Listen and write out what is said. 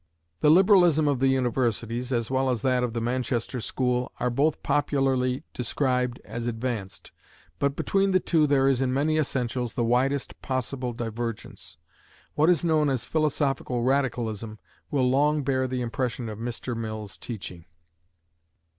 The liberalism of the universities, as well as that of the Manchester school, are both popularly described as advanced but between the two there is in many essentials the widest possible divergence. What is known as Philosophical Radicalism will long bear the impression of Mr. Mill's teaching.